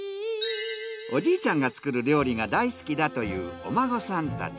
おじいちゃんが作る料理が大好きだというお孫さんたち。